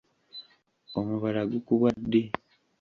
Omubala gukubwa ddi?